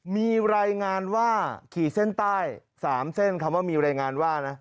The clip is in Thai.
มีรายงานว่าขีดเส้นใต้๓เส้นคำว่ามีรายงานว่านะ